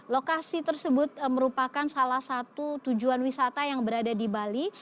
lokasi tersebut merupakan salah satu tujuan wisata yang berada di bali